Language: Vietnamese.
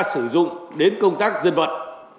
sử dụng đến công tác dân vận